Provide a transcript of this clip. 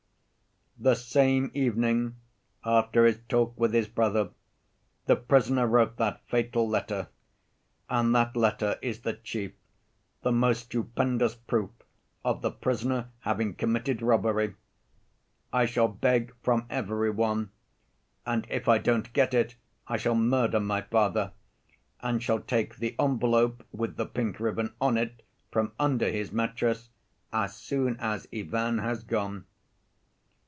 "The same evening, after his talk with his brother, the prisoner wrote that fatal letter, and that letter is the chief, the most stupendous proof of the prisoner having committed robbery! 'I shall beg from every one, and if I don't get it I shall murder my father and shall take the envelope with the pink ribbon on it from under his mattress as soon as Ivan has gone.